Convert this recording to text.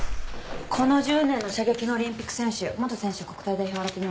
この１０年の射撃のオリンピック選手元選手国体代表洗ってみました。